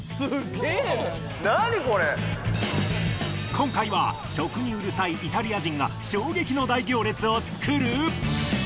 今回は食にうるさいイタリア人が衝撃の大行列を作る。